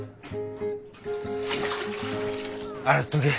洗っとけ。